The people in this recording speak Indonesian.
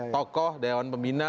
tokoh dewan pembina